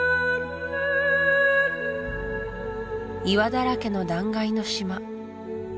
岩だらけの断崖の島